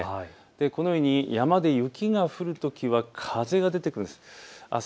このように山で雪が降るときは風が出てくるんです。